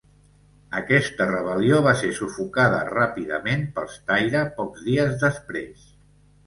Aquesta rebel·lió va ser sufocada ràpidament pels Taira pocs dies després.